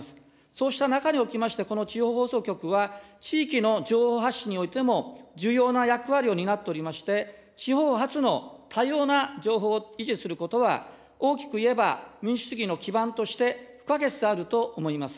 そうした中におきまして、この地方放送局は、地域の情報発信においても重要な役割を担っておりまして、地方発の多様な情報を維持することは、大きくいえば、民主主義の基盤として不可欠であると思います。